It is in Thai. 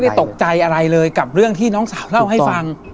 ตกใจอะไรเลยกับเรื่องที่น้องสาวเล่าให้ฟัง